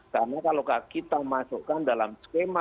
karena kalau kita masukkan dalam skema